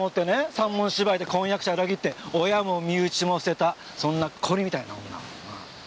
三文芝居で婚約者を裏切って親も身内も捨てたそんな氷みたいな女を。